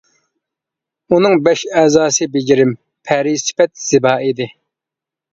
ئۇنىڭ بەش ئەزاسى بېجىرىم، پەرى سۈپەت، زىبا ئىدى.